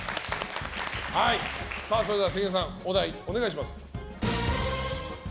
それでは関根さんお題お願いします。